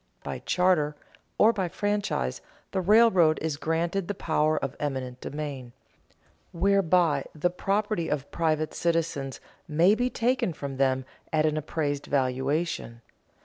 By charter or by franchise the railroad is granted the power of eminent domain, whereby the property of private citizens may be taken from them at an appraised valuation.